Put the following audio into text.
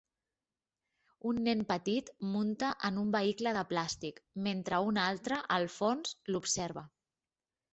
Un nen petit munta en un vehicle de plàstic mentre un altre al fons l'observa.